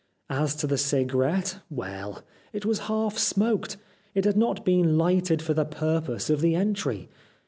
As to the cigarette, well, it was half smoked. It had not been hghted for the pur pose of the entry.